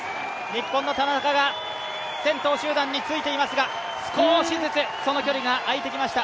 日本の田中が先頭集団についていますが少しずつその距離が開いてきました。